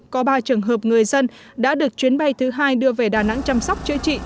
có ba trường hợp người dân đã được chuyến bay thứ hai đưa về đà nẵng chăm sóc chữa trị